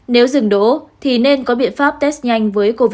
nếu dừng đổ thì nên có biện pháp test nhanh